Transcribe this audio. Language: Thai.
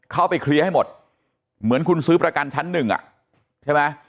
เข้าไปเคลียร์ให้หมดเหมือนคุณซื้อประกันชั้นหนึ่งอ่ะใช่ไหม